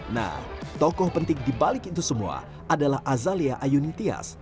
nah tokoh penting dibalik itu semua adalah azalia ayunintias